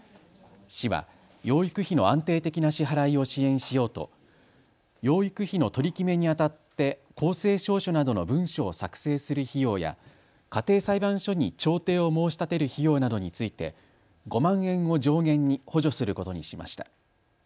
市は養育費の安定的な支払いを支援しようと養育費の取り決めにあたって公正証書などの文書を作成する費用や家庭裁判所に調停を申し立てる費用などについて５万円を上限に補助することにしました。